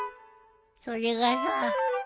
それがさ。